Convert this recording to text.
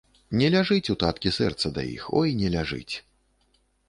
Не ляжыць у таткі сэрца да іх, ой не ляжыць!